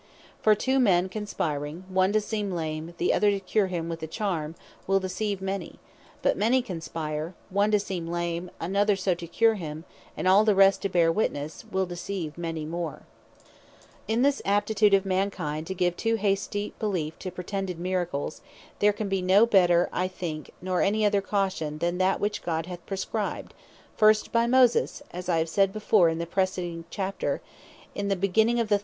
For two men conspiring, one to seem lame, the other to cure him with a charme, will deceive many: but many conspiring, one to seem lame, another so to cure him, and all the rest to bear witnesse; will deceive many more. Cautions Against The Imposture Of Miracles In this aptitude of mankind, to give too hasty beleefe to pretended Miracles, there can be no better, nor I think any other caution, than that which God hath prescribed, first by Moses, (as I have said before in the precedent chapter,) in the beginning of the 13.